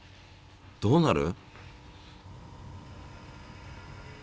どうなる？